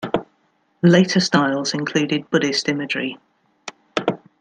Later styles included Buddhist imagery.